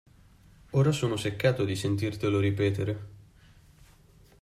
Ora sono seccato di sentirtelo ripetere.